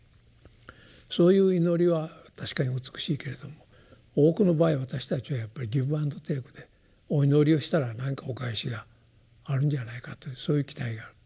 そういう祈りは確かに美しいけれども多くの場合私たちはやっぱりギブアンドテイクでお祈りをしたら何かお返しがあるんじゃないかというそういう期待がある。